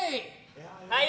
はい。